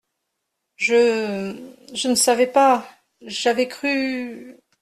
Je… je ne savais pas,… j’avais cru…